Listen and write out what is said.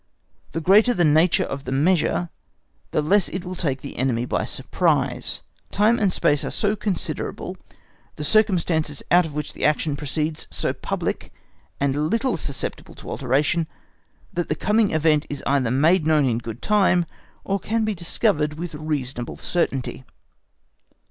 The greater the nature of the measure the less it will take the enemy by surprise. Time and space are so considerable, the circumstances out of which the action proceeds so public and little susceptible of alteration, that the coming event is either made known in good time, or can be discovered with reasonable certainty.